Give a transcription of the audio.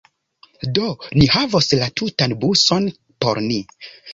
Do, ni havos la tutan buson por ni